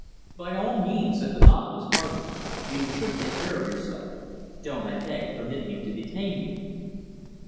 "By all means," said the novelist, heartily. "You should take care of yourself. Don't, I beg, permit me to detain you."